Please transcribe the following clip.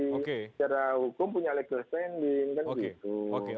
secara hukum punya legal standing